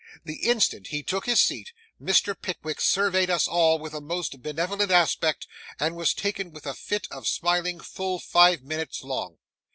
The instant he took his seat, Mr. Pickwick surveyed us all with a most benevolent aspect, and was taken with a fit of smiling full five minutes long.